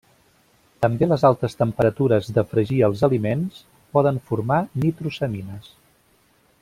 També les altes temperatures de fregir els aliments poden formar nitrosamines.